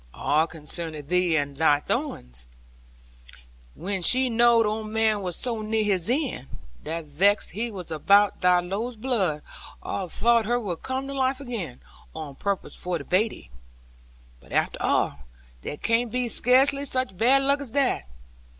'All concerning thee, and thy doings; when she knowed old man were so near his end. That vexed he was about thy low blood, a' thought her would come to life again, on purpose for to bate 'ee. But after all, there can't be scarcely such bad luck as that.